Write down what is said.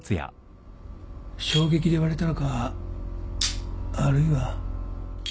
衝撃で割れたのかあるいは。